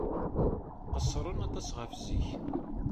Qeṣṣren aṭas ɣef zik.